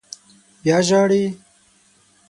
_بيا ژاړې!